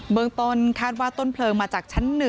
เมืองต้นคาดว่าต้นเพลิงมาจากชั้น๑